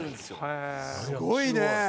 すごいね！